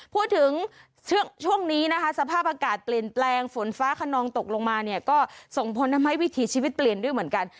พูดถึงช่วงนี้นะคะสภาพอากาศเปลี่ยนแปลงฝนฟ้าขนองตกลงมาเนี่ยก็ส่งผลทำให้วิถีชีวิตเปลี่ยนด้วยเหมือนกัน